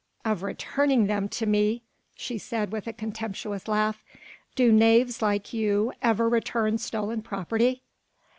"Of returning them to me," she said with a contemptuous laugh, "do knaves like you ever return stolen property?"